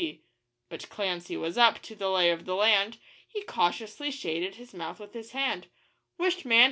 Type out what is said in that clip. P.' But Clancy was up to the lay of the land, He cautiously shaded his mouth with his hand 'Wisht, man!